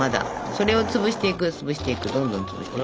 それを潰していく潰していくどんどん潰していく。